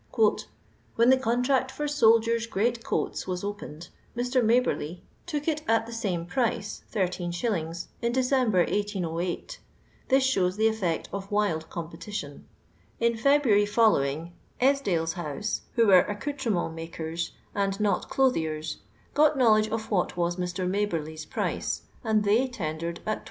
When the contract for soldier's greatcoats was opened, Mr. Maberly took it at the same price (13«.) in December, 1808'; this shows the effect of wild competition. In February following, Esdailes' house, who were accoutrement makers, and not clothiers, got knowledge of what was Mr. Maberly's price, and fAey tendered at \2s.